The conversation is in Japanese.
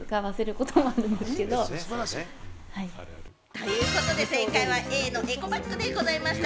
ということで正解はＡのエコバッグでございました。